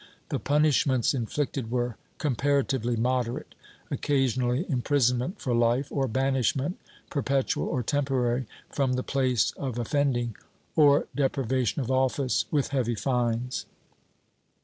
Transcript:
The punishments inflicted were comparatively moderate— occasionally imprisonment for fife or banishment, perpetual or temporary, from the place of offend ing, or deprivation of office with heavy fines.